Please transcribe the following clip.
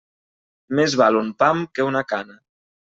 Més val un pam que una cana.